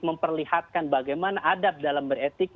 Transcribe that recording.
memperlihatkan bagaimana adab dalam beretik